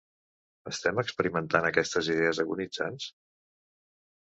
Estem experimentant aquestes idees agonitzants?